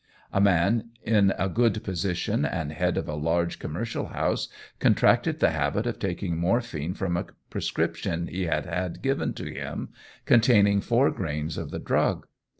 A man in a good position, and head of a large commercial house, contracted the habit of taking morphine from a prescription he had had given to him containing 4 grains of the drug.